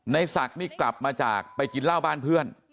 ในศักดิ์นี่กลับมาจากไปกินเหล้าบ้านเพื่อน